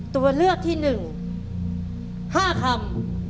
ตัวเลือกที่หนึ่ง๕คำ